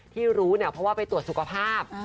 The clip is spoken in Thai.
ที่รู้เนี่ยเพราะว่าไปตรวจสุขภาพ